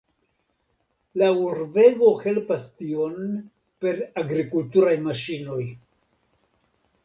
La urbego helpas tion per agrikulturaj maŝinoj.